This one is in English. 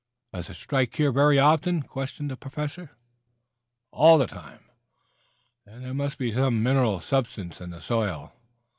"Does it strike here very often?" questioned the Professor. "Allus." "Then, there must be some mineral substance in the soil."